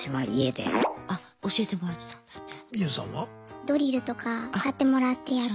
ドリルとか買ってもらってやったりとか。